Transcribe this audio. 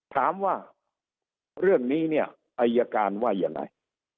ถามว่าเรื่องนี้เนี่ยอายการว่ายังไง